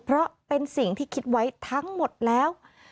เพราะเป็นสิ่งที่คิดไว้ทั้งหมดแล้ว